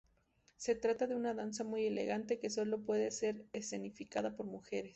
Se trata de una danza muy elegante que sólo puede ser escenificada por mujeres.